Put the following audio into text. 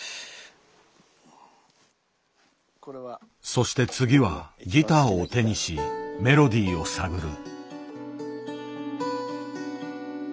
そして次はギターを手にしメロディーを探る。